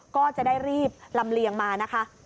ก็จะได้รีบลำเลียงมานะคะ